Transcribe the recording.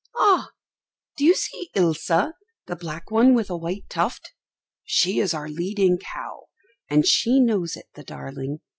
Ah! do you see Ilse, the black one with a white tuft? She is our leading cow, and she knows it, the darling.